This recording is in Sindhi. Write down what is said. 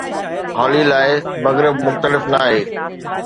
هالي لاءِ، مغرب مختلف ناهي.